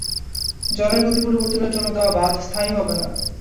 জলের গতি পরিবর্তনের জন্য দেওয়া বাঁধ স্থায়ী হবে না।